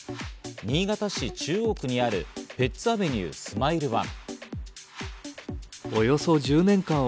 新潟市中央区にある、ペッツアベニュースマイルワン。